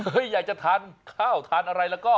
อยากจะทานข้าวทานอะไรแล้วก็